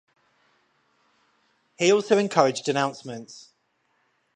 He also encouraged denouncements.